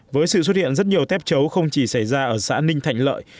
với sự xuất hiện rất nhiều tép chấu không chỉ xảy ra ở xã ninh thạnh lợi